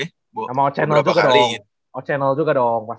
sama o channel juga dong